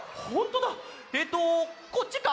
えっとこっちか？